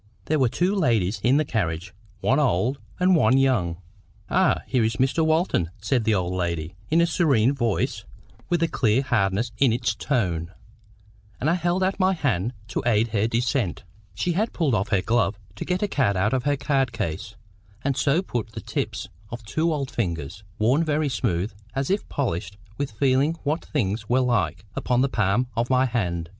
There were two ladies in the carriage, one old and one young. "Ah, here is Mr. Walton!" said the old lady, in a serene voice, with a clear hardness in its tone; and I held out my hand to aid her descent. She had pulled off her glove to get a card out of her card case, and so put the tips of two old fingers, worn very smooth, as if polished with feeling what things were like, upon the palm of my hand.